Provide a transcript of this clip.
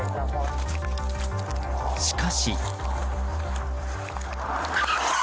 しかし。